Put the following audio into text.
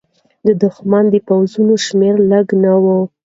د دښمن د پوځونو شمېر لږ نه و.